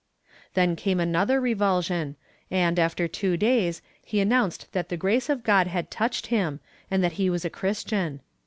Then came another revulsion and, after two days, he announced that the grace of God had touched him, and that he was a Christian.